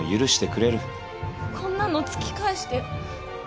こんなの突き返してよ。